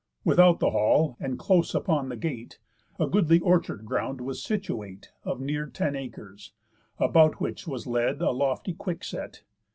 Without the hall, and close upon the gate, A goodly orchard ground was situate, Of near ten acres; about which was led A lofty quickset.